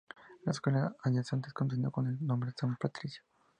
La escuela adyacente continuó con el nombre San Patricio.